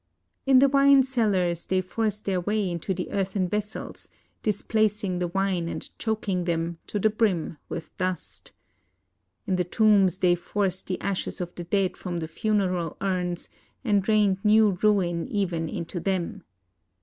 In the wine cellars, they forced their way into the earthen vessels, displacing the wine and choking them, to the brim, with dust. In the tombs, they forced the ashes of the dead from the funeral urns, and rained new ruin even into them.